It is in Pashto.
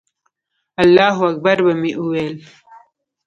الله اکبر به مې وویل.